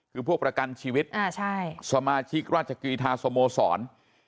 คือพวกประกันชีวิตสมาชิกราชกีธาสโมสร